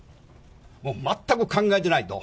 全く考えないと。